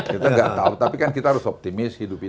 kita nggak tahu tapi kan kita harus optimis hidup itu